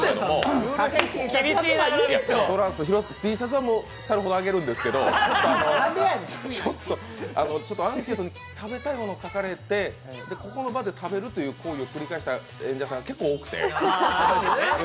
Ｔシャツは腐るほどあげるんですけと、アンケートに食べたいものを書かれて、この場で食べるということを繰り返した演者さんが結構多くて。